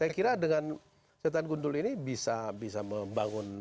saya kira dengan setan gundul ini bisa membangun